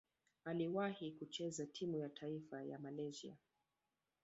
Aliwahi kucheza timu ya taifa ya Malaysia.